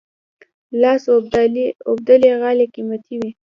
لاس اوبدلي غالۍ قیمتي وي.